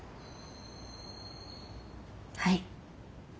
はい。